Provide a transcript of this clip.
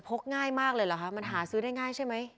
ง่ายมากเลยเหรอคะมันหาซื้อได้ง่ายใช่ไหม